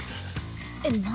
えっ何？